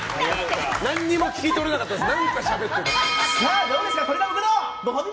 何にも聞き取れなかったです。